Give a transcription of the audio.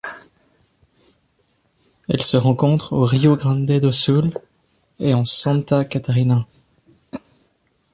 Elle se rencontre au Rio Grande do Sul et en Santa Catarina.